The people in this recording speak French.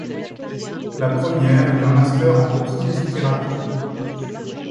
La première est un master en kinésithérapie.